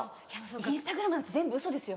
インスタグラムなんて全部ウソですよ。